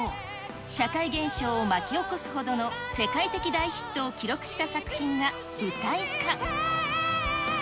社会現象を巻き起こすほどの世界的大ヒットを記録した作品が舞台化。